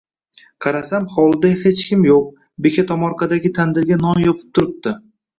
Qarasam, hovlida hech kim yo‘q, beka tomorqadagi tandirga non yopib turibdi